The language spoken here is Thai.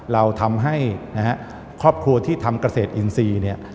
เราทำให้นะฮะครอบครัวที่ทำเกษตรอินทรีย์เนี่ย